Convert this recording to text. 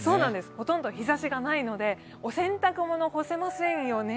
ほとんど日ざしがないので、お洗濯物、干せませんよね。